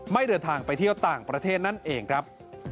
เดินทางไปเที่ยวต่างประเทศนั่นเองครับ